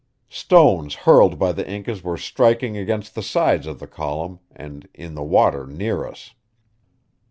Stones hurled by the Incas were striking against the sides of the column and in the water near us.